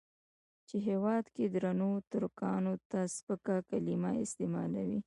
چې هېواد کې درنو ترکانو ته سپکه کليمه استعمالوي.